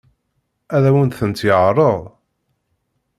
Ad awen-tent-yeɛṛeḍ?